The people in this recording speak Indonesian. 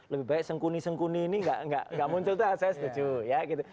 lebih baik sengkuni sengkuni ini nggak muncul tuh saya setuju ya gitu